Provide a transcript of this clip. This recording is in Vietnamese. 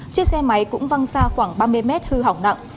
chiếc xe máy cũng văng xa khoảng ba mươi mét hư hỏng nặng